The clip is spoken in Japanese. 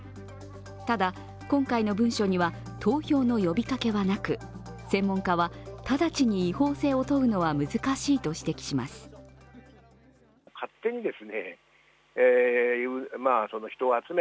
ただ、今回の文書には投票の呼びかけはなく専門家は直ちに違法性を問うのは難しいと指摘します。